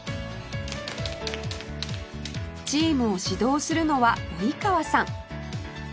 チームを指導するのは及川さん